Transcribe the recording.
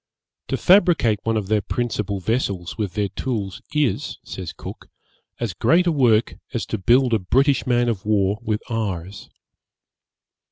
'To fabricate one of their principal vessels with their tools is,' says Cook, 'as great a work as to build a British man of war with ours.'